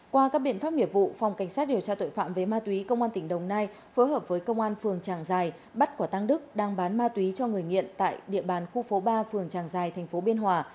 qua các biện pháp nghiệp vụ phòng cảnh sát điều tra tội phạm về ma túy công an tỉnh đồng nai phối hợp với công an phường tràng giài bắt quả tăng đức đang bán ma túy cho người nghiện tại địa bàn khu phố ba phường tràng giài thành phố biên hòa